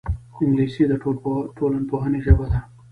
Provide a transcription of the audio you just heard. انګلیسي د ټولنپوهنې ژبه ده